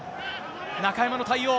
中山の対応。